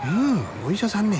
お医者さんね。